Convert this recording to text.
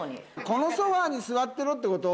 このソファに座ってろってこと？